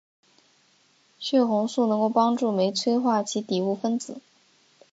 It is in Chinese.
血红素能够帮助酶催化其底物分子。